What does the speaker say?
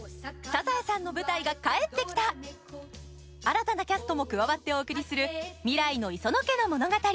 サザエさんの舞台が帰ってきた新たなキャストも加わってお送りする未来の磯野家の物語。